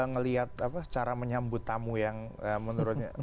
ngelihat cara menyambut tamu yang menurutnya